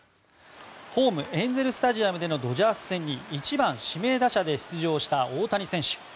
ホームエンゼル・スタジアムでのドジャース戦に１番指名打者で出場した大谷選手。